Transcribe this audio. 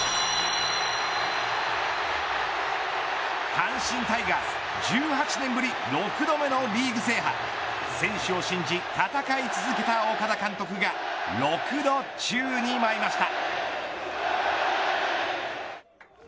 阪神タイガース１８年ぶり６度目のリーグ制覇選手を信じ戦い続けた岡田監督が６度、宙に舞いました。